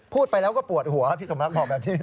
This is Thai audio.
พูดไปแล้วก็ปวดหัวพี่สมรักบอกแบบนี้